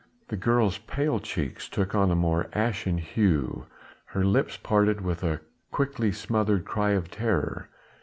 The girl's pale cheeks took on a more ashen hue, her lips parted with a quickly smothered cry of terror.